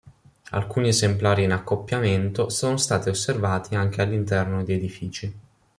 Alcuni esemplari in accoppiamento sono stati osservati anche all'interno di edifici.